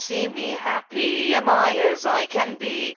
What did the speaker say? See me! Happy am I as I can be!